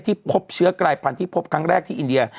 พบเชื้อกลายพันธุ์พบครั้งแรกที่อินเดีย